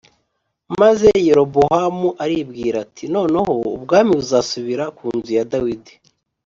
Maze Yerobowamu aribwira ati “Noneho ubwami buzasubira ku nzu ya Dawidi